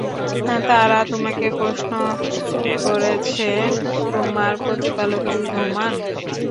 তারা তোমাকে প্রশ্ন করেছে তোমার প্রতিপালক কি ঘুমান?